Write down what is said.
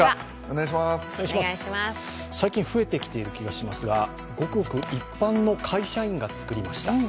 最近増えてきている気がしますがごくごく一般の会社員が作りました。